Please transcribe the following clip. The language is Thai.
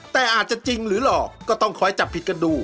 แต่อาจจะจริงหรือหลอกก็ต้องคอยจับผิดกันดู